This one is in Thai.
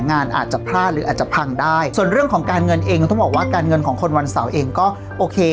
อาจจะพลาดหรืออาจจะพังได้ส่วนเรื่องของการเงินเองก็ต้องบอกว่าการเงินของคนวันเสาร์เองก็โอเค